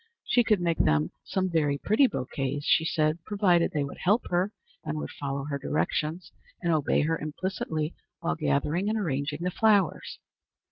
She could make them some very pretty bouquets, she said, provided they would help her, and would follow her directions and obey her implicitly while gathering and arranging the flowers.